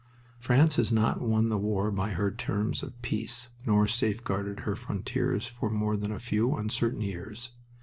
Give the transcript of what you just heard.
France has not won the war by her terms of peace nor safeguarded her frontiers for more than a few uncertain years.